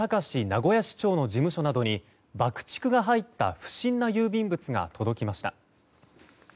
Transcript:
名古屋市長の事務所などに爆竹が入った不審な郵便物が届きました。